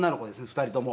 ２人とも。